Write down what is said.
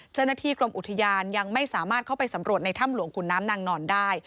เจ้าหน้าที่กรมอุทยานยังไม่สามารถเข้าไปสำรวจในถ้ำหลวงขุนน้ำนางนอนได้